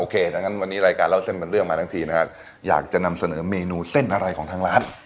ดังนั้นวันนี้รายการเล่าเส้นเป็นเรื่องมาทั้งทีนะครับอยากจะนำเสนอเมนูเส้นอะไรของทางร้าน